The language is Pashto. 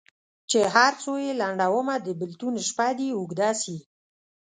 چي هر څو یې لنډومه د بېلتون شپه دي اوږده سي